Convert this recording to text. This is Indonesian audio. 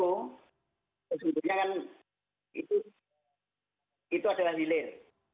sebenarnya kan itu adalah hilir